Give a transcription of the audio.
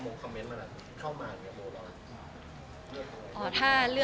แฟนคลับของคุณไม่ควรควรเราอะไรไง